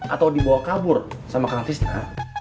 atau dibawa kabur sama kang tisna